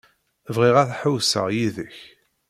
Bɣiɣ ad ḥewwseɣ yid-k.